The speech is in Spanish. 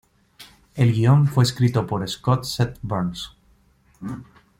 El guion fue escrito por Scott Z. Burns.